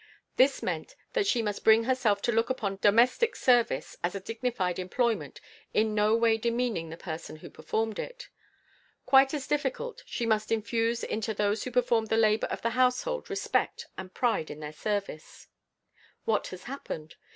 This meant that she must bring herself to look upon domestic service as a dignified employment in no way demeaning the person who performed it. Quite as difficult, she must infuse into those who performed the labor of the household respect and pride in their service. What has happened?